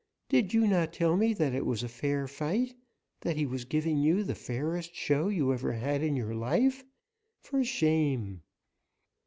Did you not tell me that it was a fair fight, that he was giving you the fairest show you ever had in your life? For shame!"